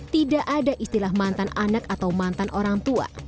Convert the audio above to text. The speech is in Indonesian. tidak ada istilah mantan anak atau mantan orang tua